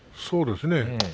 そうですね